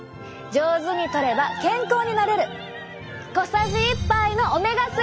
上手にとれば健康になれる。